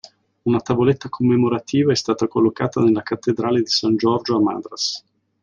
Una tavoletta commemorativa è stata collocata nella Cattedrale di San Giorgio a Madras.